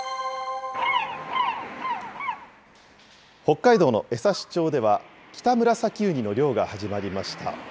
北海道の江差町では、キタムラサキウニの漁が始まりました。